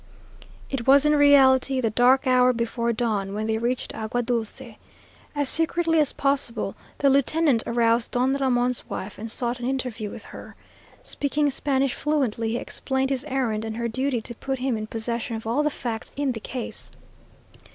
It was in reality the dark hour before dawn when they reached Agua Dulce. As secretly as possible the lieutenant aroused Don Ramon's wife and sought an interview with her. Speaking Spanish fluently, he explained his errand and her duty to put him in possession of all the facts in the case.